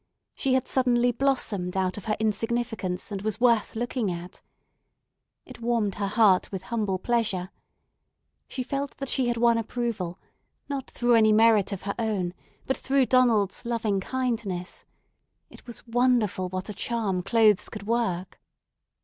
She had suddenly blossomed out of her insignificance, and was worth looking at. It warmed her heart with humble pleasure. She felt that she had won approval, not through any merit of her own, but through Donald's loving kindness. It was wonderful what a charm clothes could work.